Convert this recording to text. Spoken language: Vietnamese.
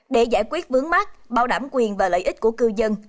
để giải quyết vướng mắt bảo đảm quyền và lợi ích của cư dân